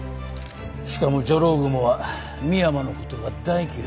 しかもジョロウグモは深山のことが大嫌いときている。